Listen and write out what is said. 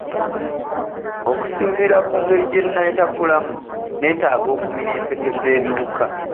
Okusinziira ku ngeri gye neetakulamu neetaga okumira empeke z'ebiwuka.